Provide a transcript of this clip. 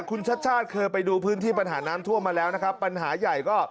คุณชัดชาติเคยไปดูพื้นที่ปัญหาน้ำท่วมมาแล้วนะครับปัญหาใหญ่ก็